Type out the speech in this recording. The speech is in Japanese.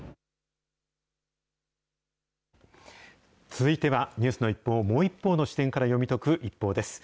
続いては、ニュースの一報をもう一方の視点から読み解くＩＰＰＯＵです。